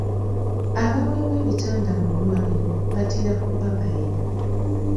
Abaweebwa ebitanda mu ddwaliro batera kuba bayi.